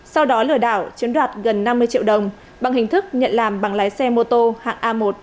sau đó lừa đảo chiếm đoạt gần năm mươi triệu đồng bằng hình thức nhận làm bằng lái xe mô tô hạng a một